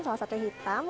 salah satu hitam